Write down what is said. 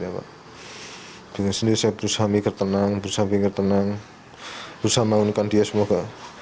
dengan sendiri saya berusaha mikir tenang berusaha mikir tenang berusaha membangunkan dia semoga